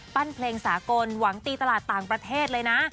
เพลงสากลหวังตีตลาดต่างประเทศเลยนะ